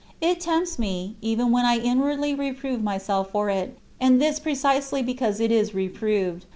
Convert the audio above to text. It tempts me, even when I inwardly reprove myself for it, and this precisely because it is reproved.